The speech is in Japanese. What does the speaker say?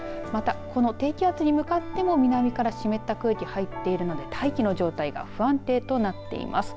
この低気圧に向かっても南から湿った空気が入っているので大気の状態が不安定となっています。